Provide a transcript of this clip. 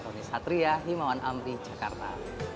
roni satria himawan amri jakarta